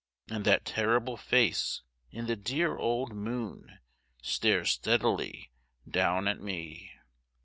And that terrible face in the dear old moon Stares steadily down at me.